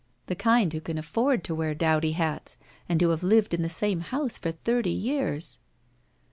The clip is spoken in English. The kind who can afford to wear dowdy hats and who have lived in the same house for thirty years."